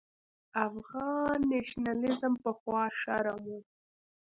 افغان نېشنلېزم پخوا شرم و.